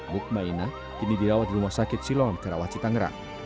mukmainah kini dirawat di rumah sakit siloam karawaci tangerang